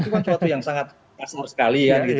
itu kan suatu yang sangat kasar sekalian